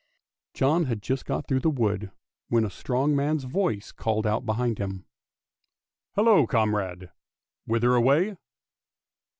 John had just got through the wood, when a strong man's voice called out behind him, " Hallo, comrade! whither away?